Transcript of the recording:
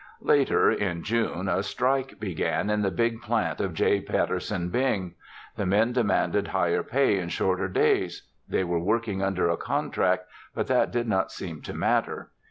Later, in June, a strike began in the big plant of J. Patterson Bing. The men demanded higher pay and shorter days. They were working under a contract but that did not seem to matter.